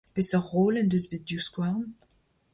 Peseurt roll en deus bet Divskouarn ?